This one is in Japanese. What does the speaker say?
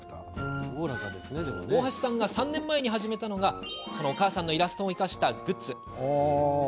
大橋さんが３年前に始めたのがお母さんのイラストを生かしたグッズ。